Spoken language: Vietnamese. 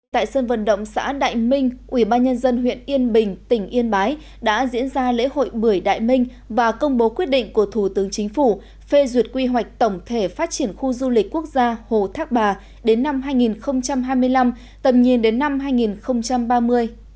tại sân vận động xã đại minh ubnd huyện yên bình tỉnh yên bái đã diễn ra lễ hội bưởi đại minh và công bố quyết định của thủ tướng chính phủ phê duyệt quy hoạch tổng thể phát triển khu du lịch quốc gia hồ thác bà đến năm hai nghìn hai mươi năm tầm nhìn đến năm hai nghìn ba mươi